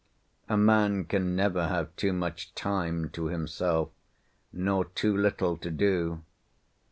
A man can never have too much Time to himself, nor too little to do.